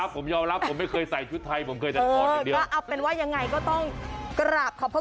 หมายถึงครู